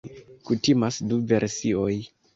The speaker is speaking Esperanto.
Kutimas du versioj.